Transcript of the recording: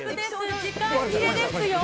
時間切れですよ。